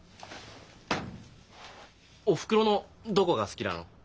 おふくろのどこが好きなの？